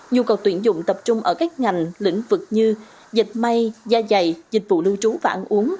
nhu cầu tuyển dụng tập trung ở các ngành lĩnh vực như dịch may da dày dịch vụ lưu trú và ăn uống